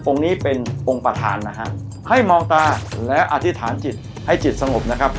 นี้เป็นองค์ประธานนะฮะให้มองตาและอธิษฐานจิตให้จิตสงบนะครับ